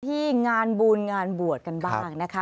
ที่งานบุญงานบวชกันบ้างนะคะ